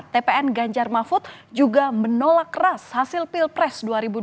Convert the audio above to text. dua ribu dua puluh empat tpn ganjar mahfud juga menolak keras hasil pilpres dua ribu dua puluh empat